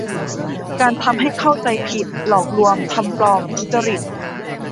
การทำให้เข้าใจผิด หลอกลวง ทำปลอม ทุจริต